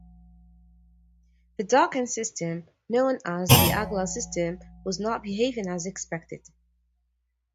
The docking system, known as the "Igla system", was not behaving as expected.